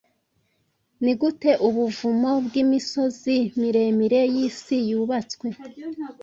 Nigute ubuvumo bwimisozi miremire yisi yubatswe